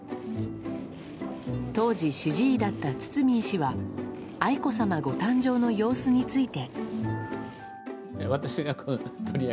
当時、主治医だった堤医師は愛子さまご誕生の様子について。